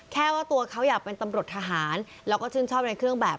แค่ว่าตัวเขาอยากเป็นตำรวจทหารแล้วก็ชื่นชอบในเครื่องแบบ